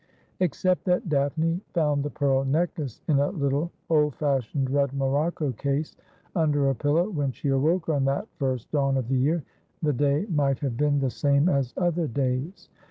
Except that Daphne found the pearl necklace in a little old fashioned red morocco case under her pillow when she awoke on that first davm of the year, the day might have been the same as other days.